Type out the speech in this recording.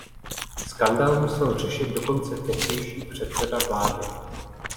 Skandál musel řešit dokonce tehdejší předseda vlády.